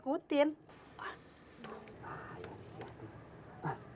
ya sudah gimana